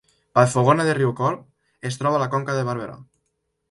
Vallfogona de Riucorb es troba a la Conca de Barberà